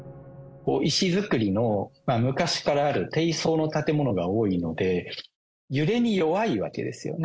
石造りの昔からある低層の建物が多いので、揺れに弱いわけですよね。